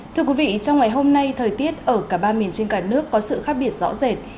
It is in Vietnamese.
thưa quý vị trong ngày hôm nay thời tiết ở cả ba miền trên cả nước có sự khác biệt rõ rệt